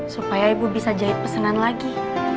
supaya ibu bisa jahit pesanan lagi